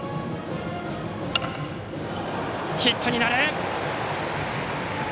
ヒットになる！